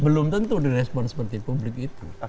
belum tentu direspon seperti publik itu